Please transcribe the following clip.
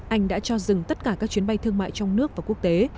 anh đã cho dừng tất cả các chuyến bay thương mại trong nước và quốc tế